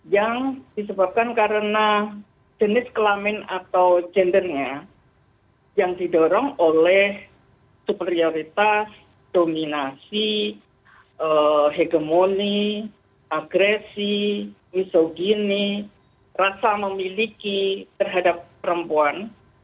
yang disebabkan karena jenis kelamin atau gendernya yang didorong oleh superioritas dominasi hegemoni agresi misogini rasa memiliki terhadap perempuan